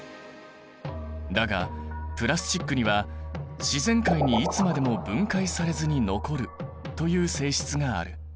だがプラスチックには自然界にいつまでも分解されずに残るという性質がある。